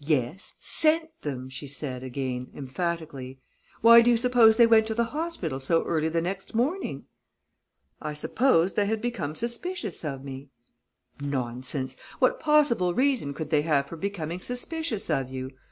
"Yes, sent them," she said again, emphatically. "Why do you suppose they went to the hospital so early the next morning?" "I supposed they had become suspicious of me." "Nonsense! What possible reason could they have for becoming suspicious of you.